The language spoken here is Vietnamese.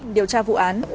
điều tra vụ án